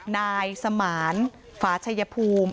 นายสมานฝาชัยภูมิ